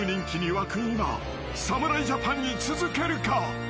今侍ジャパンに続けるか？］